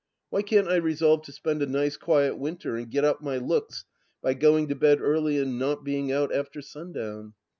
Why can't I resolve to spend a nice quiet winter and get up my looks by going to bed early and not being out after sundown